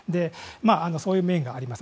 そういう面があります。